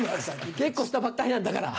結婚したばっかりなんだから。